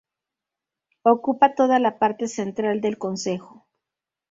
Ocupa toda la parte central del concejo.